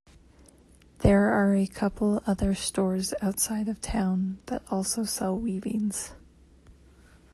There are a couple other stores outside of town that also sell weavings.